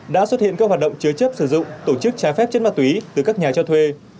đã xuất hiện các hoạt động chứa chấp sử dụng tổ chức trái phép chất ma túy từ các nhà cho thuê